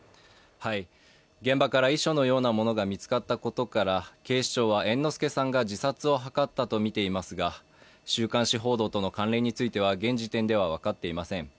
現場から遺書のようなものが見つかったことから、警視庁は猿之助さんが自殺を図ったとみていますが、週刊誌報道との関連については現段階では分かっていません。